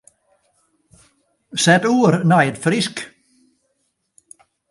Set oer nei it Frysk.